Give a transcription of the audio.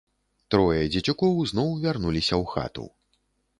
Трое дзецюкоў зноў вярнуліся ў хату.